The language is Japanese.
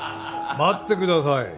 待ってください。